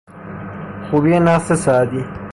خوبی نثر سعدی